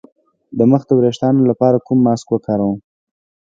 د مخ د ويښتانو لپاره کوم ماسک وکاروم؟